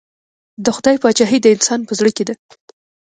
د خدای پاچهي د انسان په زړه کې ده.